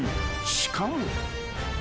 ［しかも］